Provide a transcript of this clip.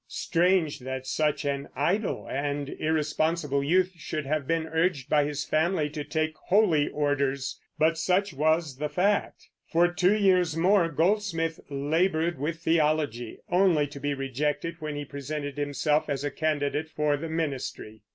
Strange that such an idle and irresponsible youth should have been urged by his family to take holy orders; but such was the fact. For two years more Goldsmith labored with theology, only to be rejected when he presented himself as a candidate for the ministry.